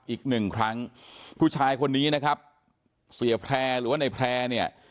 อีกหนึ่งครั้งผู้ชายคนนี้นะครับเสียแพร่หรือว่าในแพร่เนี่ย